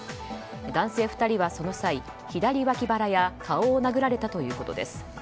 男性２人はその際、左わき腹や顔を殴られたということです。